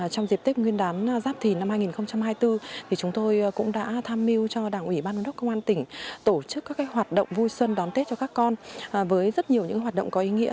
trong dịp tết nguyên đán giáp thìn năm hai nghìn hai mươi bốn chúng tôi cũng đã tham mưu cho đảng ủy ban giám đốc công an tỉnh tổ chức các hoạt động vui xuân đón tết cho các con với rất nhiều những hoạt động có ý nghĩa